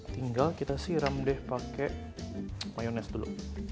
tinggal kita siram deh pakai mayonese dulu